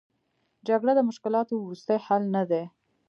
جګړه د مشکلاتو وروستۍ حل نه دی.